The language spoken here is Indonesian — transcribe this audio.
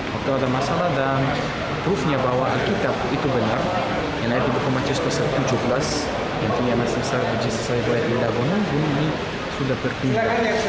waktu ada masalah dan proofnya bahwa alkitab itu benar yang lain di bukomacus ke tujuh belas yang ini yang masih besar yang bisa saya beri di lagunan gunung ini sudah berpindah